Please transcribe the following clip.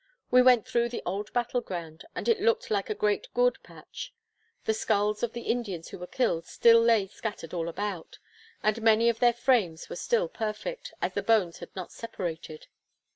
We went through the old battle ground, and it looked like a great gourd patch; the sculls of the Indians who were killed still lay scattered all about, and many of their frames were still perfect, as the bones had not separated.